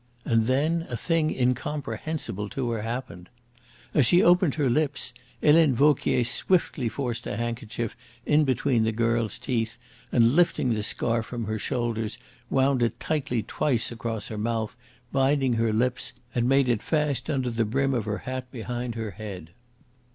And then a thing incomprehensible to her happened. As she opened her lips Helene Vauquier swiftly forced a handkerchief in between the girl's teeth, and lifting the scarf from her shoulders wound it tightly twice across her mouth, binding her lips, and made it fast under the brim of her hat behind her head.